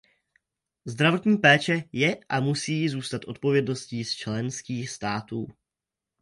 Zdravotní péče je a musí zůstat odpovědností členských států.